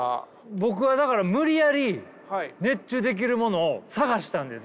僕はだから無理やり熱中できるものを探したんです